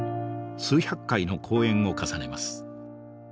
数百回の講演を重ねます。